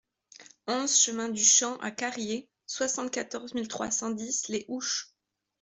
onze chemin du Champ à Carrier, soixante-quatorze mille trois cent dix Les Houches